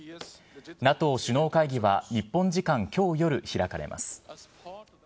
ＮＡＴＯ首脳会議は日本時間きょう夜、開かれます。